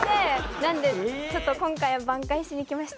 なのでちょっと今回は挽回しに来ました。